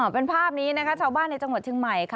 ตรงนี้นะคะชาวบ้านในจังหวัดชิงใหม่ค่ะ